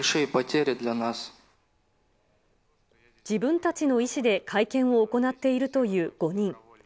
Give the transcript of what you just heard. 自分たちの意思で会見を行っているという５人。